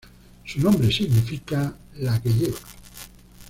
Su nombre, significa ""la que lleva"".